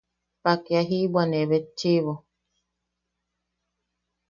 Pake aa jibwanebetchiʼibo.